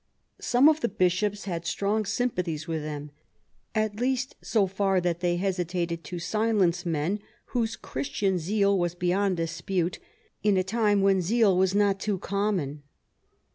Some of the Bishops had strong sympathies with them, at least so far that they hesitated to silence men, whose Christian zeal was beyond dispute, in a time when zeal was not too common.